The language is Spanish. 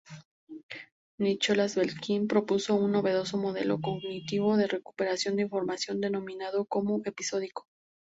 Nicholas Belkin propuso un novedoso modelo cognitivo de recuperación de información, denominado como episódico.